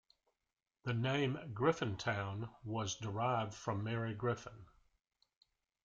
The name "Griffintown" was derived from Mary Griffin.